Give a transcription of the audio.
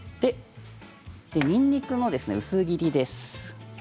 にんにくの薄切りです。